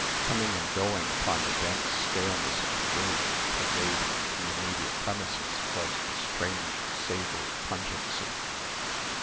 Coming and going upon the dense staleness of the room and pervading the immediate premises was a strange savoury pungency.